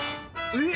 えっ！